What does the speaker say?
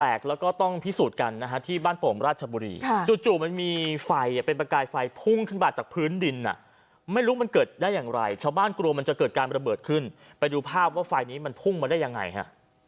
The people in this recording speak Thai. แปลกแล้วก็ต้องพิสูจน์กันนะฮะที่บ้านโปรมราชบุรีจู่มันมีไฟเป็นประกายไฟพุ่งขึ้นมาจากพื้นดินอ่ะไม่รู้มันเกิดได้อย่างไรชาวบ้านกลัวมันจะเกิดการระเบิดขึ้นไปดูภาพว่าไฟนี้มันพุ่งมาได้ยังไงฮะ